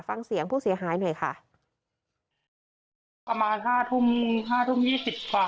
ฟังเสียงผู้เสียหายหน่อยค่ะประมาณห้าทุ่มห้าทุ่มยี่สิบกว่า